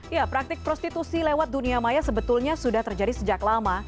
ya praktik prostitusi lewat dunia maya sebetulnya sudah terjadi sejak lama